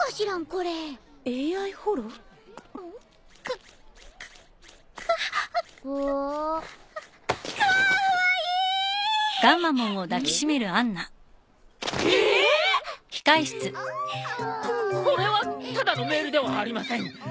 これはただのメールではありません。